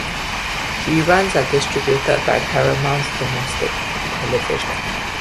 Reruns are distributed by Paramount Domestic Television.